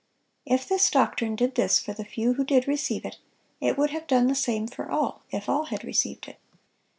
If this doctrine did this for the few who did receive it, it would have done the same for all, if all had received it.